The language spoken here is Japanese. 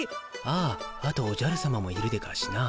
あとおじゃるさまもいるでガシな。